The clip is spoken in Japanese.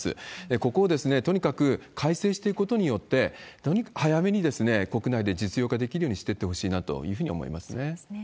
ここをとにかく改正していくことによって、とにかく早めに国内で実用化できるようにしていってほしいなといそうですね。